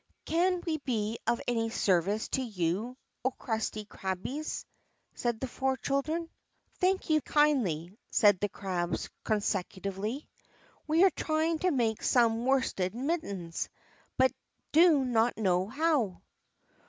"Can we be of any service to you, oh, crusty crabbies?" said the four children. "Thank you kindly," said the crabs consecutively. "We are trying to make some worsted mittens, but do not know how."